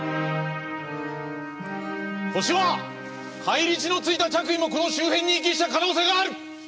ホシは返り血のついた着衣もこの周辺に遺棄した可能性がある。